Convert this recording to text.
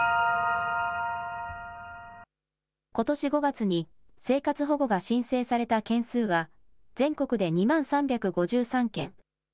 ことし５月に、生活保護が申請された件数は、全国で２万３５３件。